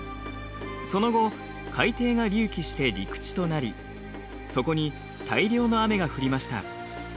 その後海底が隆起して陸地となりそこに大量の雨が降りました。